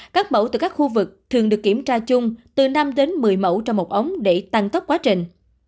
các mẫu từ các khu vực thường được kiểm tra chung từ năm đến một mươi mẫu trong một ống để tăng tốc quá trình